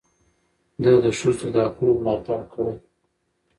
ده د ښځو د حقونو ملاتړ کړی دی.